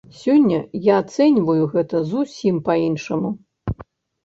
Сёння я ацэньваю гэта зусім па-іншаму.